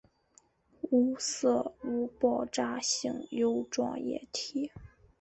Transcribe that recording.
无色无爆炸性油状液体。